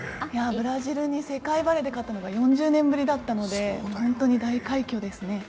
ブラジルで世界バレーで勝ったのは４０年ぶりだったので、本当に大快挙ですね。